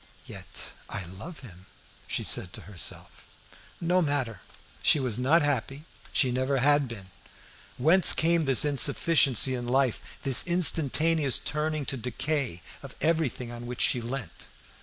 "Yet I love him," she said to herself. No matter! She was not happy she never had been. Whence came this insufficiency in life this instantaneous turning to decay of everything on which she leant?